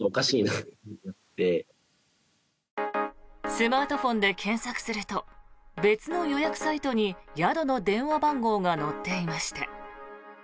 スマートフォンで検索すると別の予約サイトに宿の電話番号が載っていました。